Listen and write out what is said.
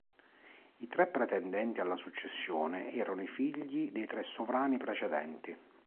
I tre pretendenti alla successione erano i figli dei tre sovrani precedenti.